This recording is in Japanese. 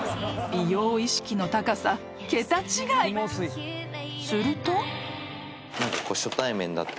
美容意識の高さ桁違い］えっ？